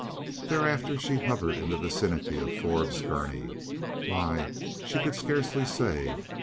Thereafter she hovered in the vicinity of Forbes Gurney. Why, she could scarcely say.